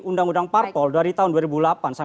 undang undang parpol dari tahun dua ribu delapan sampai